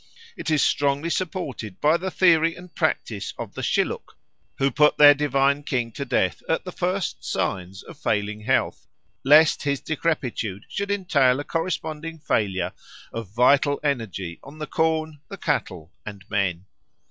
It is strongly supported by the theory and practice of the Shilluk, who put their divine king to death at the first signs of failing health, lest his decrepitude should entail a corresponding failure of vital energy on the corn, the cattle, and men.